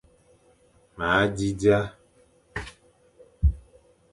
Ma zi dia.